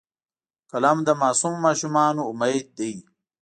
قلم د معصومو ماشومانو امید دی